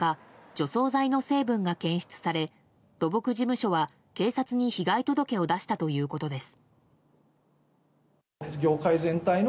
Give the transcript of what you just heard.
除草剤の成分が検出され土木事務所は、警察に被害届を出したということです。